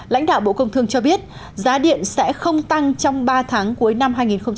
lãnh đạo bộ công thương cho biết giá điện sẽ không tăng trong ba tháng cuối năm hai nghìn hai mươi